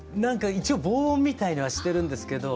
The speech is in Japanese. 一応防音みたいにはしてるんですけど。